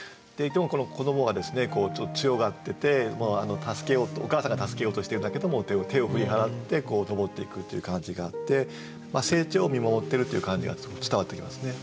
子どもがですねちょっと強がっててお母さんが助けようとしてるんだけども手を振り払って登っていくという感じがあって成長を見守ってるという感じが伝わってきますね。